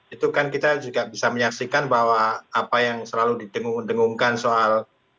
itu kan kita juga bisa menyaksikan bahwa apa yang selalu didengung dengungkan soal